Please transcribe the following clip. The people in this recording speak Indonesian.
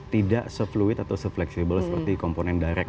tidak se fluid atau se fleksibel seperti komponen direct